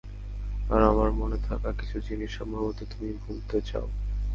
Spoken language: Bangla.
আর আমার মনে থাকা কিছু জিনিস সম্ভবত তুমি ভুলতে চাও।